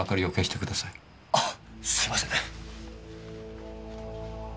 あっすいません。